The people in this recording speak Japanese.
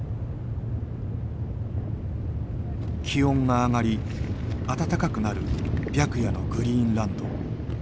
気温が上がり暖かくなる白夜のグリーンランド。